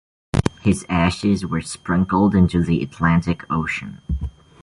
His ashes were sprinkled into the Atlantic Ocean.